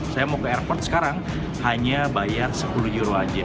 saya mau ke airport sekarang hanya bayar sepuluh euro aja